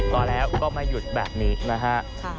ต่อแล้วก็ไม่หยุดแบบนี้นะครับ